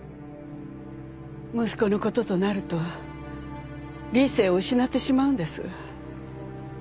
息子のこととなると理性を失ってしまうんです。